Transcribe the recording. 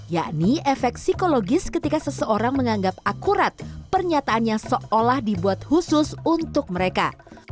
yakni efek psikologis ketika seseorang menganggap akurat pernyataannya seolah dibuat khusus untuk mereka